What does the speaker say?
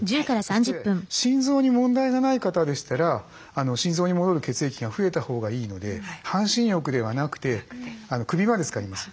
そして心臓に問題がない方でしたら心臓に戻る血液が増えたほうがいいので半身浴ではなくて首までつかります。